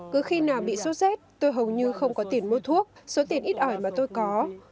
cứ khi nào bị sốt rét tôi hầu như không có tiền mua thuốc số tiền ít ỏi mà tôi có